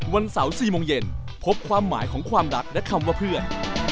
วันเสาร์๔โมงเย็นพบความหมายของความรักและคำว่าเพื่อน